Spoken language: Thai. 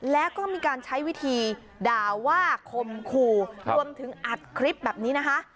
แล้วก็มีการใช้วิธีด่าว่าคมคู่รวมถึงอัดคลิปแบบนี้นะคะ